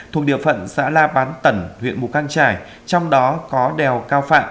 thuộc địa phận xã la bán tẩn huyện mù căng trải trong đó có đèo cao phạm